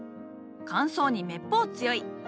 乾燥にめっぽう強い！